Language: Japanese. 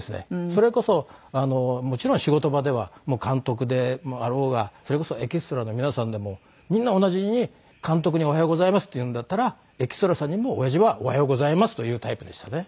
それこそもちろん仕事場では監督であろうがそれこそエキストラの皆さんでもみんな同じに監督に「おはようございます」って言うんだったらエキストラさんにも親父は「おはようございます」と言うタイプでしたね。